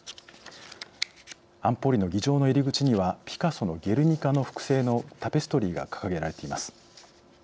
安保理の議場の入り口にはピカソのゲルニカの複製のタペストリーが掲げられています。